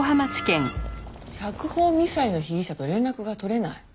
釈放未済の被疑者と連絡が取れない？